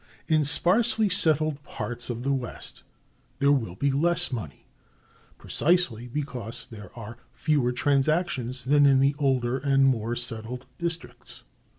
In sparsely settled parts of the West there will be less money precisely because there are fewer transactions than in the older and more settled districts.